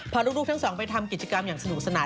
พาลูกทั้งสองไปทำกิจกรรมอย่างสนุกสนาน